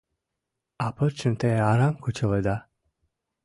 — А пырчым те арам кычалыда.